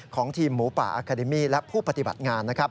ของทีมหมูป่าอาคาเดมีและผู้ปฏิบัติงาน